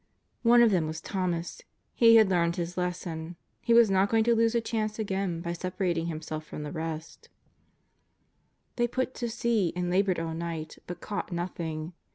One of them was Thomas. He had learned his les son ; he was not going to lose a chance again by separat ing himself from the rest. JESUS OF NAZAEETH. 393 They put to sea and laboured all niglit, but caugbt nothing.